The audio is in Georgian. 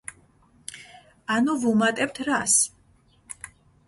ანუ ვუმატებთ რას?